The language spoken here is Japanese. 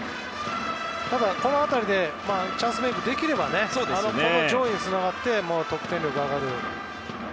ただ、この辺りでチャンスメイクできれば上位につながって得点力が上がる。